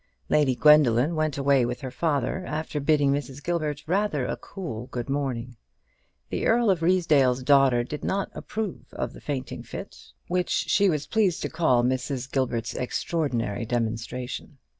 Lady Gwendoline went away with her father, after bidding Mrs. Gilbert rather a cool good morning. The Earl of Ruysdale's daughter did not approve of the fainting fit, which she was pleased to call Mrs. Gilbert's extraordinary demonstration.